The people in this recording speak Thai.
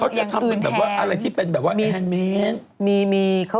เขาจะทำเป็นแบบว่าอะไรที่เป็นแบบว่าแอร์มีส